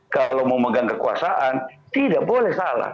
kalau mau megang kekuasaan tidak boleh salah